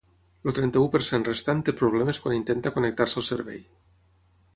El trenta-u per cent restant té problemes quan intenta connectar-se al servei.